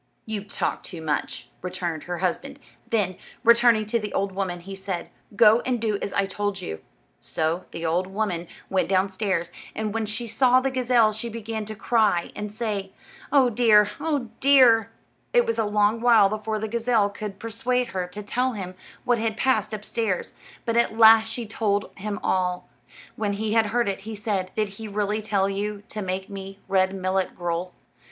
"You talk too much," returned her husband; then, turning to the old woman, he said, "Go and do as I told you." So the old woman went downstairs, and when she saw the gazelle, she began to cry, and say, "Oh, dear! oh, dear!" It was a long while before the gazelle could persuade her to tell him what had passed upstairs, but at last she told him all. When he had heard it, he said: "Did he really tell you to make me red millet gruel?"